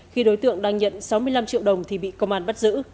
khi đối tượng đang nhận sáu mươi năm triệu đồng thì bị công an bắt giữ